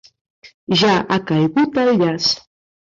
Ja ha caigut al llaç.